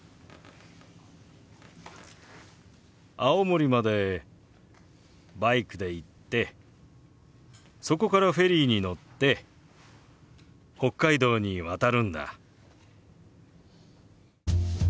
青森までバイクで行ってそこからフェリーに乗って北海道に渡るんだ。